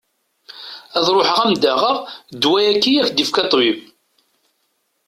Ad ruḥeɣ ad am-d-aɣeɣ ddwa-agi i ak-d-yefka ṭṭbib.